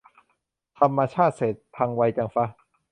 ทำมาชาติเศษ พังไวจังฟะ